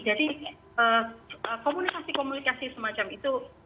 jadi komunikasi komunikasi semacam itu